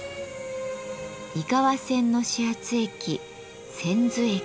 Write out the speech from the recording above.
井川線の始発駅千頭駅。